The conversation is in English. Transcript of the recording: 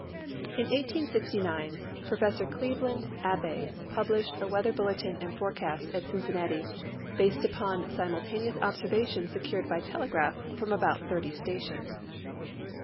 In 1869 Professor Cleveland Al)be published a weather bulletin and forecast at Cincinnati, based upon simultaneous observations secured by telegraph from about 30 stations.